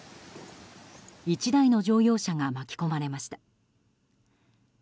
１台の乗用車が巻き込まれました。